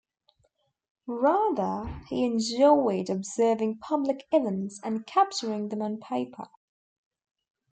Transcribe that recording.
Rather, he enjoyed observing public events and capturing them on paper.